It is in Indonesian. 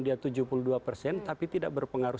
dia tujuh puluh dua persen tapi tidak berpengaruh